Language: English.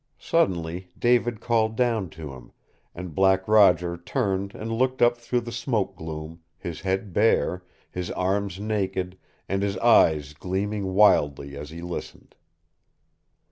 Suddenly David called down to him, and Black Roger turned and looked up through the smoke gloom, his head bare, his arms naked, and his eyes gleaming wildly as he listened.